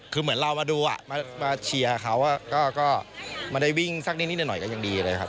คือเหมือนเรามาดูมาเชียร์เขาก็มาได้วิ่งสักนิดหน่อยก็ยังดีเลยครับ